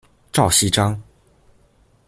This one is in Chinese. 赵锡章。